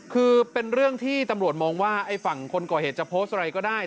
คือเป็นเรื่องที่ตำรวจมองว่าไอ้ฝั่งคนก่อเหตุจะโพสต์อะไรก็ได้